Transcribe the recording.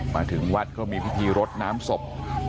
มาถึงวัดก็มีพิธีรดน้ำศพ